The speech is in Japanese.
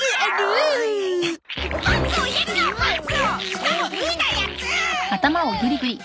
しかも脱いだやつ！